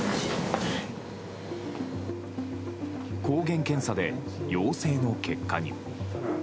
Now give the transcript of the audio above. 抗原検査で陽性の結果に。